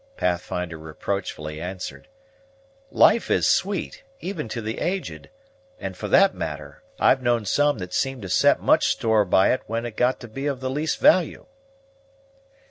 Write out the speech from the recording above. Pathfinder reproachfully answered. "Life is sweet, even to the aged; and, for that matter, I've known some that seemed to set much store by it when it got to be of the least value."